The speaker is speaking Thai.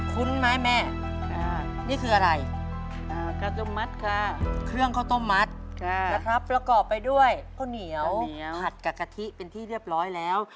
ไหมแม่นี่คืออะไรกาต้มมัดค่ะเครื่องข้าวต้มมัดนะครับประกอบไปด้วยข้าวเหนียวผัดกับกะทิเป็นที่เรียบร้อยแล้ว